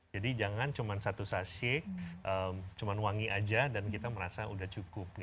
jadi jangan cuma satu sachet cuma wangi saja dan kita merasa sudah cukup